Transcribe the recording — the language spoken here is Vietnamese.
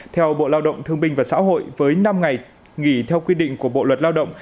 theo bộ lao động thương binh và xã hội với năm ngày nghỉ theo quy định của bộ luật lao động